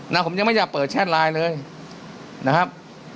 ผมยังไม่อยากเปิดแชทไลน์เลยนะครับ